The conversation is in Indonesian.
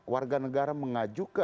warga negara mengajukan